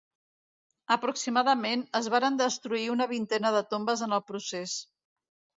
Aproximadament es varen destruir una vintena de tombes en el procés.